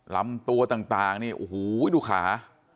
ลำตัวต่างนี่โอ้โหดูขา